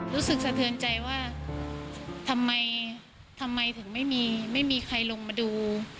รู้สึกสะเทินใจว่าทำไมถึงไม่มีใครลงมาดู